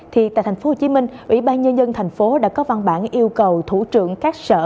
thì tại tp hcm ủy ban nhân dân thành phố đã có văn bản yêu cầu thủ trưởng các sở